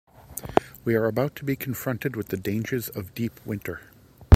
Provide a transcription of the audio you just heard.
We are about to be confronted with the dangers of deep winter.